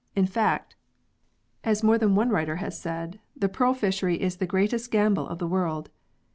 In fact, as more than one writer has 70 PEARLS [CH. said, the pearl fishery is the greatest gamble of the world.